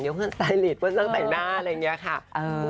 เพื่อนสไตรท์เพื่อนสร้างแต่งหน้าอะไรอย่างนี้ค่ะ